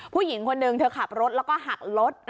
ผู้หญิงคนหนึ่งเธอขับรถแล้วก็หักรถ